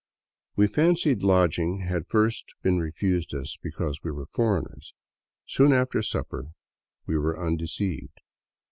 We fancied lodging had first been refused us because we were foreigners. Soon after supper we were undeceived.